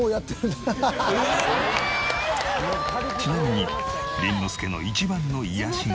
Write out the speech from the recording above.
ちなみに倫之亮の一番の癒やしが。